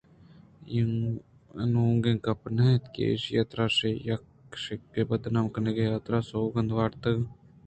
انوگیں گپ نہ اَنت کہ اِشاں ترا شہ اِد ا کشّگ ءُبدنام کنگ ءِ حاترا سوگند وارتگاں